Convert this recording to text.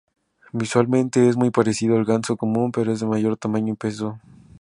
Visualmente es muy parecido al ganso común, pero es de mayor tamaño y peso.